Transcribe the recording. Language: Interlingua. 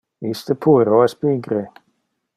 Iste puero es pigre.